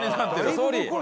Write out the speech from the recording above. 「総理！